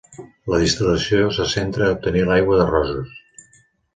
La destil·lació se centra a obtenir l'aigua de roses.